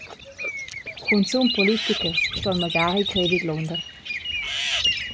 Cunzun politichers ston magari crer vidlunder.